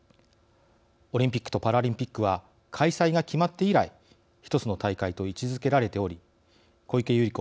オリンピックとパラリンピックは開催が決まって以来一つの大会と位置づけられており小池百合子